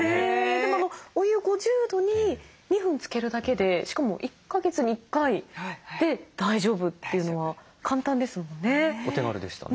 でもお湯５０度に２分つけるだけでしかも１か月に１回で大丈夫というのは簡単ですもんね。お手軽でしたね。